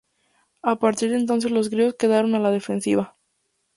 A partir de entonces los griegos quedaron a la defensiva.